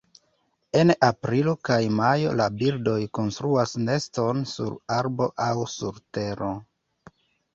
En aprilo kaj majo la birdoj konstruas neston sur arbo aŭ sur tero.